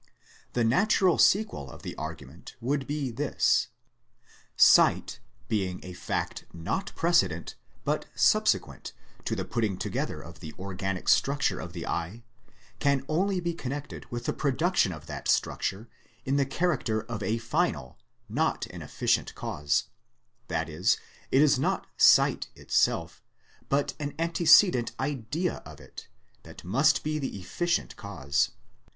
The natural sequel of the argu ment would be this. Sight, being a fact not precedent but subsequent to the putting together of the organic 172 THEISM structure of the eye, can only be connected with the production of that structure in the character of a final, not an efficient cause ; that is, it is not Sight itself but an antecedent Idea of it, that must be the efficient cause.